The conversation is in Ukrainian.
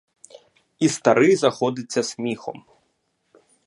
І старий заходиться сміхом.